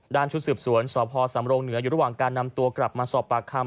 ชุดสืบสวนสพสำรงเหนืออยู่ระหว่างการนำตัวกลับมาสอบปากคำ